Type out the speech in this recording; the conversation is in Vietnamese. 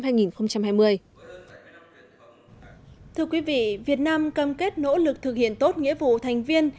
thưa quý vị việt nam cam kết nỗ lực thực hiện tốt nghĩa vụ thành viên